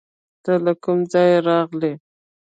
ته له کوم ځایه راغلې؟